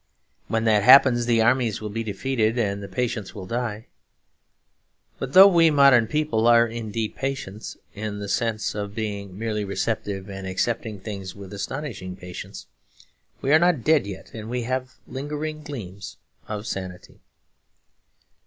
When that happens, the armies will be defeated and the patients will die. But though we modern people are indeed patients, in the sense of being merely receptive and accepting things with astonishing patience, we are not dead yet; and we have lingering gleams of sanity.